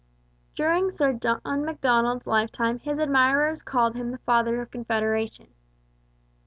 During Sir John Macdonald's lifetime his admirers called him the Father of Confederation.